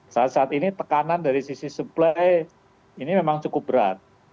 saat saat ini tekanan dari sisi supply ini memang cukup berat